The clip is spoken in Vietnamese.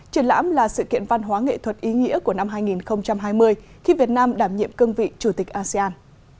triển lãm là sự kiện văn hóa nghệ thuật ý nghĩa của năm hai nghìn hai mươi khi việt nam đảm nhiệm cương vị chủ tịch asean